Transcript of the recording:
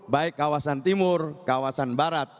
baik kawasan timur kawasan barat